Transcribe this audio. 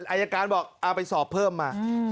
อายการบอกเอาไปสอบเพิ่มมา